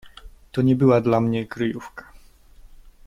"To nie była dla mnie kryjówka."